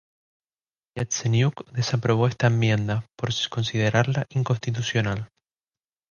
Yatseniuk desaprobó esta enmienda, por considerarla inconstitucional.